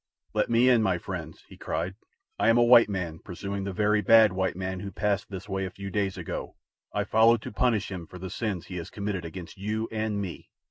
"Let me in, my friends!" he cried. "I am a white man pursuing the very bad white man who passed this way a few days ago. I follow to punish him for the sins he has committed against you and me.